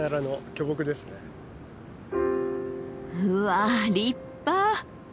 うわ立派！